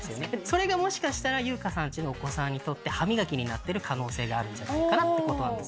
それがもしかしたら優香さん家のお子さんにとって歯磨きになってる可能性があるんじゃないかなってこと。